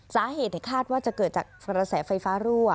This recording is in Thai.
สาเหตุคาดว่าจะเกิดจากกระแสไฟฟ้ารั่ว